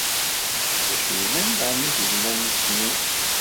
D acu yellan daɣen deg tegnant-nni?